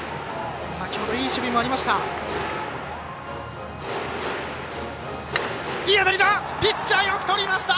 先ほどいい守備がありました。